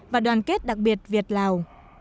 và đoàn kết đặc biệt việt lào